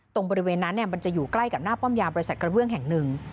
บริเวณนั้นมันจะอยู่ใกล้กับหน้าป้อมยามบริษัทกระเบื้องแห่งหนึ่ง